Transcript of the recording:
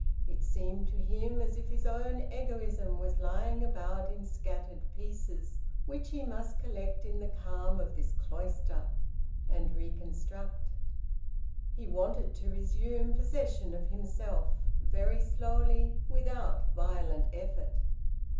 It seemed to him as if his own egoism was lying about in scattered pieces, which he must collect in the calm of this cloister, and reconstruct. He wanted to resume possession of himself, very slowly, without violent effort.